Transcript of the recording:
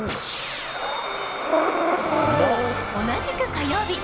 同じく火曜日。